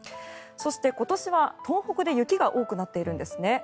そして、今年は東北で雪が多くなっているんですね。